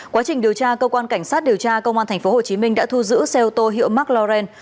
quá trình điều tra cơ quan cảnh sát điều tra công an tp hcm đã thu giữ xe ô tô hiệu mclaren